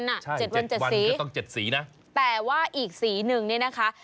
เจ็ดวันเจ็ดสีต้องเจ็ดสีนะแต่ว่าอีกสีหนึ่งเนี่ยนะคะ